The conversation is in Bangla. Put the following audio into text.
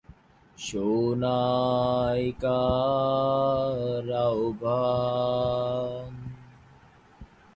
দেহের উপরের দিক নীলাভ কিন্তু নিচের দিক সাদা বর্ণের।